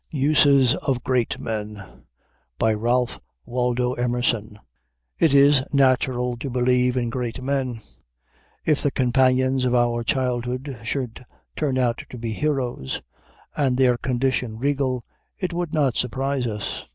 USES OF GREAT MEN RALPH WALDO EMERSON It is natural to believe in great men. If the companions of our childhood should turn out to be heroes, and their condition regal, it would not surprise us.